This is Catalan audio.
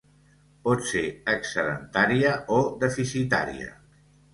Pot ser excedentària o deficitària.